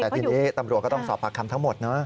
แต่ทีนี้ตำรวจก็ต้องสอบปากคำทั้งหมดนะ